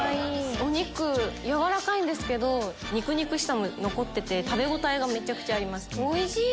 お肉軟らかいんですけど肉々しさも残ってて食べ応えがめちゃくちゃありますおいしい！